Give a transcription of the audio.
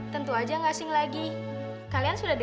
tentu aja gak asing lagi kalian sudah deket ya